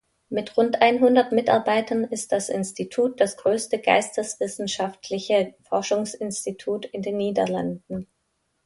Mit rund einhundert Mitarbeitern ist das Institut das größte geisteswissenschaftliche Forschungsinstitut in den Niederlanden.